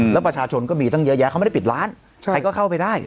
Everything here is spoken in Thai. แล้วประชาชนก็มีตั้งเยอะแยะเขาไม่ได้ปิดร้านใครก็เข้าไปได้